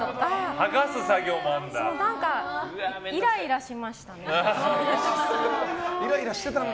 剥がす作業もあるんだ。